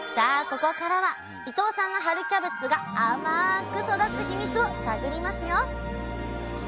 ここからは伊藤さんの春キャベツが甘く育つヒミツを探りますよ！